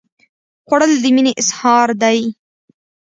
خوړل د مینې اظهار دی